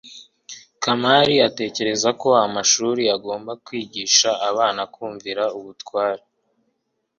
kamali atekereza ko amashuri agomba kwigisha abana kumvira ubutware